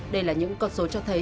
đây là những con số cho thấy